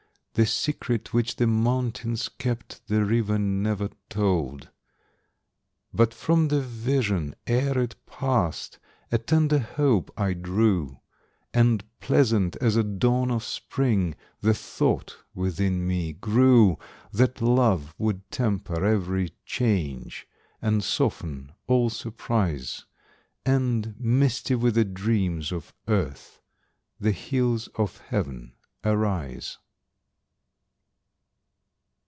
The secret which the mountains kept The river never told. But from the vision ere it passed A tender hope I drew, And, pleasant as a dawn of spring, The thought within me grew, That love would temper every change, And soften all surprise, And, misty with the dreams of earth, The hills of Heaven arise.